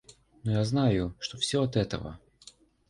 Но я знаю, что всё от этого...